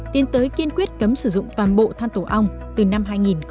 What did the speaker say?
tiến tới kiên quyết cấm sử dụng toàn bộ than tổ ong từ năm hai nghìn hai mươi một